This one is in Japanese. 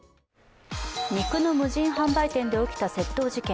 肉の無人販売店で起きた窃盗事件。